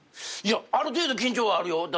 いやある程度緊張はあるよ。